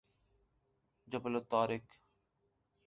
جبل الطارق